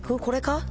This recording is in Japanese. これか？